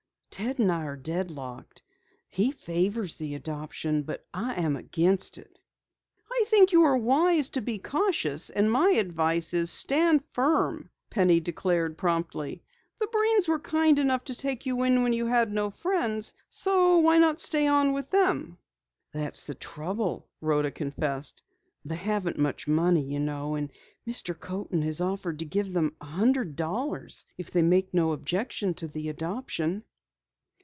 Ted and I are deadlocked. He favors the adoption, but I am against it." "I think you are wise to be cautious and my advice is 'stand firm,'" Penny declared promptly. "The Breens were kind enough to take you in when you had no friends, so why not stay on with them?" "That's the trouble," Rhoda confessed. "They haven't much money, you know, and Mr. Coaten has offered to give them a hundred dollars if they make no objection to the adoption."